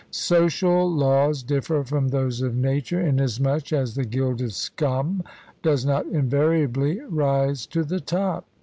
Social laws differ from those of nature, inasmuch as the gilded scum does not invariably rise to the top.